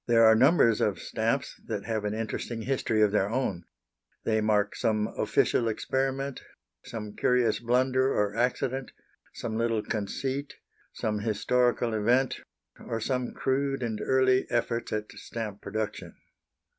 There are numbers of stamps that have an interesting history of their own. They mark some official experiment, some curious blunder or accident, some little conceit, some historical event, or some crude and early efforts at stamp production.